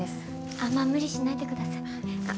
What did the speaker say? あんま無理しないでくださいあっ